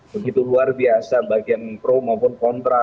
begitu luar biasa bagian pro maupun kontra